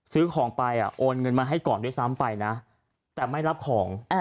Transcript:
ซื้อของไปโอนเงินมาให้ก่อนด้วยซ้ำไปนะแต่ไม่รับของ